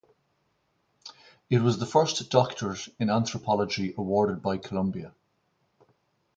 It was the first doctorate in anthropology awarded by Columbia.